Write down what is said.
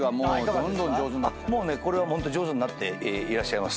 もうねこれはホント上手になっていらっしゃいます。